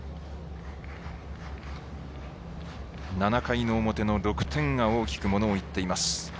７回の表の６点が大きくものを言っています。